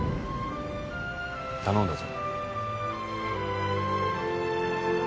頼んだぞ」